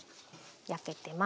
焼けてます。